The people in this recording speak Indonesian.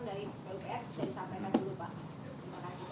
jadi mohon dari pupr bisa disampaikan dulu pak